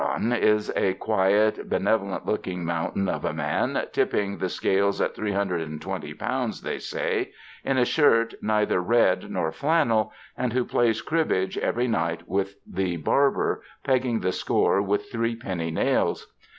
Jolon is a quiet, be nevolent looking mountain of a man, tipping the scales at 320 pounds, they say, in a shirt neither red nor flannel, and who plays cribbage every night with the barber, pegging the score with three penny nails.